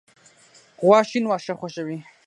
غوا شین واښه خوښوي.